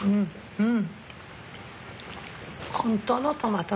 うん。